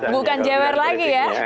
bukan jewer lagi ya